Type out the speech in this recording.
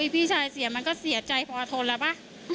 พี่ชายเสียมันก็เสียใจพอทนแล้วป่ะ